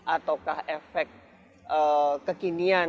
atau efek kekinian yang mereka ingin komplain